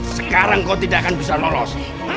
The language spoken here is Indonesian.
sekarang kau tidak akan bisa lolos